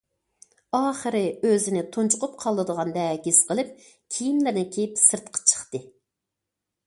ئاخىرى ئۆزىنى تۇنجۇقۇپ قالىدىغاندەك ھېس قىلىپ، كىيىملىرىنى كىيىپ سىرتقا چىقتى.